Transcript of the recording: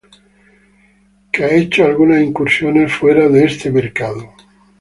Que ha hecho algunas incursiones fuera de este mercado.